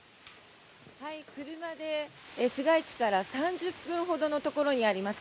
車で市街地から３０分ほどのところにあります